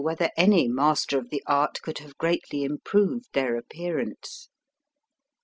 95 whether any master of the art could have greatly improved their appearance.